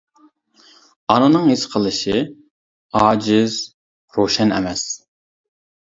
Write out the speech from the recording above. ئانىنىڭ ھېس قىلىشى: ئاجىز، روشەن ئەمەس.